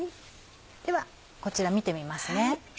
ではこちら見てみますね。